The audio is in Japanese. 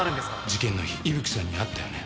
事件の日伊吹さんに会ったよね？